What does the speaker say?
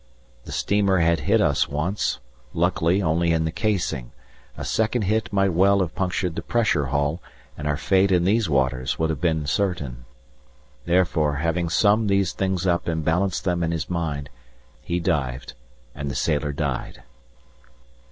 The steamer had hit us once, luckily only in the casing, a second hit might well have punctured the pressure hull, and our fate in these waters would have been certain. Therefore, having summed these things up and balanced them in his mind, he dived and the sailor died.